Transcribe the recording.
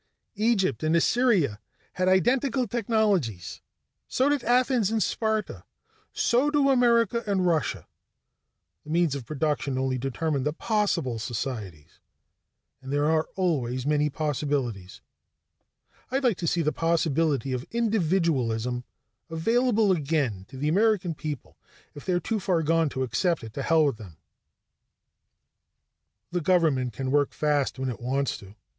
"Egypt and Assyria had identical technologies. So did Athens and Sparta. So do America and Russia. The means of production only determine the possible societies, and there are always many possibilities. "I'd like to see the possibility of individualism available again to the American people. If they're too far gone to accept it, to hell with them." The government can work fast when it wants to.